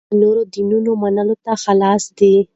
هغه د نورو دینونو منلو ته خلاص دی.